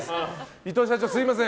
伊藤社長、すみません。